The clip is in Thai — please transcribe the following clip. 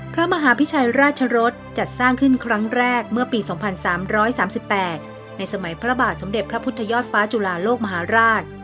พระมหาพิชัยราชรสจัดสร้างขึ้นครั้งแรกเมื่อปี๒๓๓๘ในสมัยพระบาทสมเด็จพระพุทธยอดฟ้าจุลาโลกมหาราช